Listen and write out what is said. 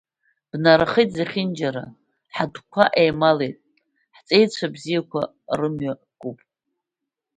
Бнарахеит зехьынџьара, ҳадәқәа еималеит, ҳҵеицәа бзиақәа рымҩа куп…